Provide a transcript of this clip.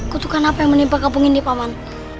kutukan apa yang menimpa kampung ini paman